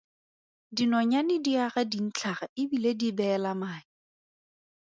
Dinonyane di aga dintlhaga e bile di beela mae.